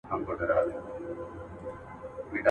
ګورستان ته مي ماشوم خپلوان لېږلي.